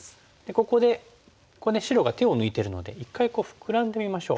ここで白が手を抜いてるので一回フクラんでみましょう。